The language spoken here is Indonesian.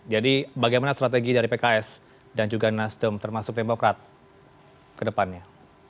jadi bagaimana strategi dari pks dan juga nasdem termasuk demokrat ke depannya